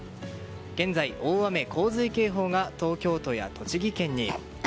現在、大雨・洪水警報が東京都や栃木県に。